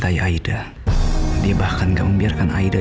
aida kamu enggak dengar apa apa